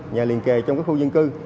nhà liên kề trong khu dân cư